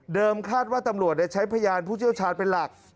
เดิมคาดว่าตำรวจได้ใช้พยานผู้เจ้าชาญเป็นหลัก